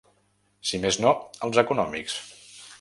Si més no, els econòmics.